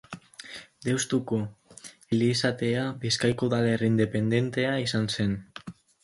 Deustuko Elizatea Bizkaiko udalerri independentea izan zen.